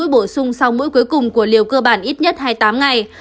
bổ sung sau mũi cuối cùng của liều cơ bản ít nhất hai mươi tám ngày